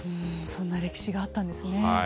そんな歴史があったんですね。